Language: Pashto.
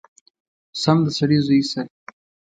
سم د سړي زوی شه!!!